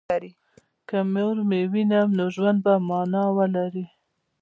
که مور مې ووینم نو ژوند به مانا ولري